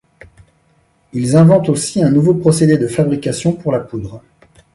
Ils inventent aussi un nouveau procédé de fabrication pour la poudre.